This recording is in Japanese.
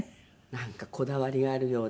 なんかこだわりがあるようで。